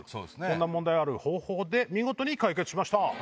そんな問題をある方法で見事に解決しました。